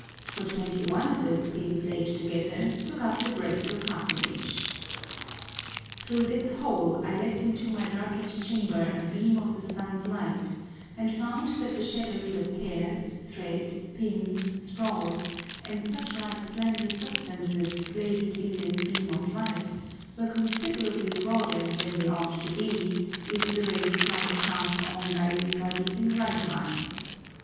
For 21 of those Pins laid together took up the breadth of half an Inch. Through this Hole I let into my darken'd Chamber a beam of the Sun's Light, and found that the Shadows of Hairs, Thred, Pins, Straws, and such like slender Substances placed in this beam of Light, were considerably broader than they ought to be, if the Rays of Light passed on by these Bodies in right Lines.